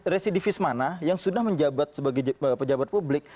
residivis mana yang sudah menjabat sebagai pejabat publik